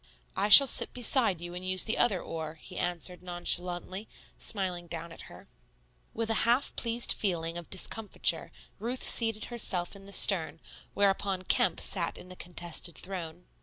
"I shall sit beside you and use the other oar," he answered nonchalantly, smiling down at her. With a half pleased feeling of discomfiture Ruth seated herself in the stern, whereupon Kemp sat in the contested throne.